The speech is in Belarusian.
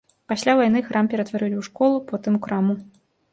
Пасля вайны храм ператварылі ў школу, потым у краму.